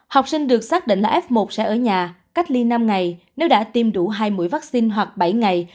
học sinh được xác định là f một sẽ ở nhà cách ly năm ngày nếu đã tiêm đủ hai mũi vaccine hoặc bảy ngày